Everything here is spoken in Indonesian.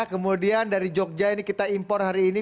kemudian dari jogja ini kita impor hari ini